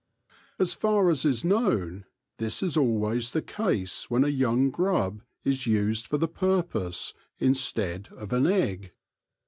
As far as is known, this is always the case when a young grub is used for the purpose instead of an egg.